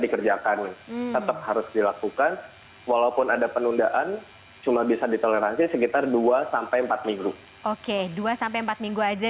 bisa dilakukan walaupun ada penundaan cuma bisa ditoleransi sekitar dua empat minggu oke dua empat minggu aja